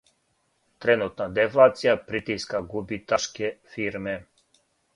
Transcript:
Тренутна дефлација притиска губитаске фирме.